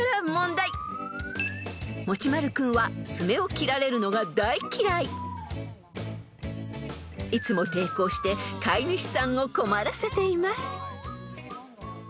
［もちまる君は爪を切られるのが大嫌い］［いつも抵抗して飼い主さんを困らせています］